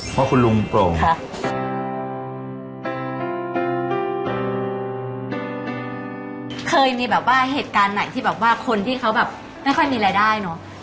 เพราะคุณลุงโปร่งค่ะเคยมีแบบว่าเหตุการณ์ไหนที่แบบว่าคนที่เขาแบบไม่ค่อยมีรายได้เนอะ